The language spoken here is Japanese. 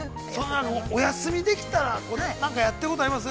お休みできたら、何かやっていることあります？